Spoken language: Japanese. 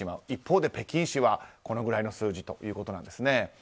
一方で北京市はこのくらいの数字ということなんですね。